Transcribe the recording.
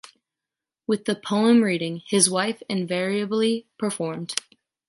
With the poem reading, his wife invariably performed.